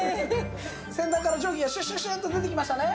先端から蒸気がシュッシュッシュッと出てきましたね。